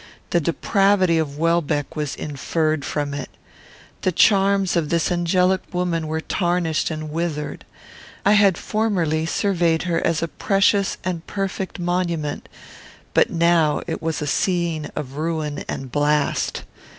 The depravity of Welbeck was inferred from it. The charms of this angelic woman were tarnished and withered. I had formerly surveyed her as a precious and perfect monument, but now it was a scene of ruin and blast.